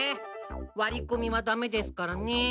割りこみはダメですからねぇ。